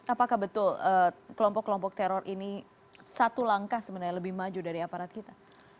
apakah betul kelompok kelompok teror ini satu langkah sebenarnya lebih maju dari aparat kita